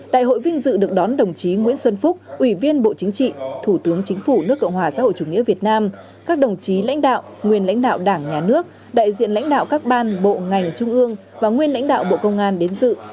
đại hội vinh dự được đón đồng chí nguyễn xuân phúc ủy viên bộ chính trị thủ tướng chính phủ nước cộng hòa xã hội chủ nghĩa việt nam các đồng chí lãnh đạo nguyên lãnh đạo đảng nhà nước đại diện lãnh đạo các ban bộ ngành trung ương và nguyên lãnh đạo bộ công an đến dự